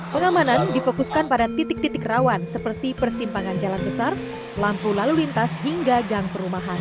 pengamanan difokuskan pada titik titik rawan seperti persimpangan jalan besar lampu lalu lintas hingga gang perumahan